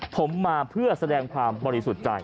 ผมมาเพื่อแสดงความบริสุทธิ์ใจ